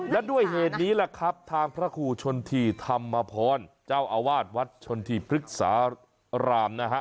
และด้วยเหตุนี้ล่ะครับทางพระโคธิธรรมพรเจ้าอวาดวัดธรรมฤกษารามนะฮะ